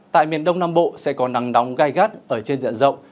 tại miền đông nam bộ sẽ có nắng nóng gai gắt ở trên diện rộng